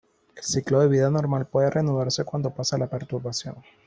El ciclo de vida normal puede reanudarse cuando pasa la perturbación.